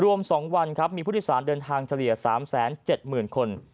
รวม๒วันครับมีผู้โดยสารเดินทางเฉลี่ย๓๗๐๐๐คน